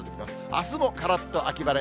あすもからっと秋晴れ。